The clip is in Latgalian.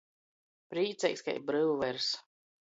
Prīceigs kai bryuvers.